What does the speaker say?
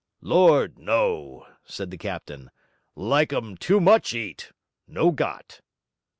'Lord, no!' said the captain. 'Like um too much eat. No got.'